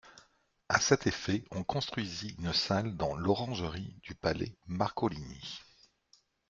À cet effet on construisit une salle dans l'orangerie du palais Marcolini.